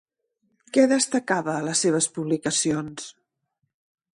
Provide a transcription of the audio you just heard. Què destacava a les seves publicacions?